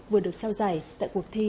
vừa được trao giải tại cuộc thi